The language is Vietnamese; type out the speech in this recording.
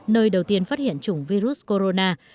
nơi đầu tiên phát hiện chủng virus corona